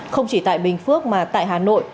không chỉ tại bình phước mà tại hà nội